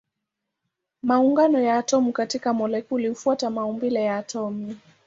Maungano ya atomi katika molekuli hufuata maumbile ya atomi.